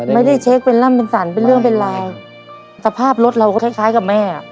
ไม่ได้เช็คเป็นร่ำเป็นสรรเป็นเรื่องเป็นราวสภาพรถเราก็คล้ายคล้ายกับแม่อ่ะ